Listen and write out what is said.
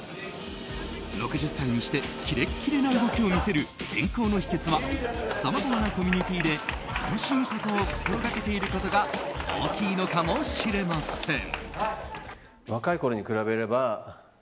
６０歳にしてキレッキレな動きを見せる健康の秘訣はさまざまなコミュニティーで楽しむことを心がけていることが大きいのかもしれません。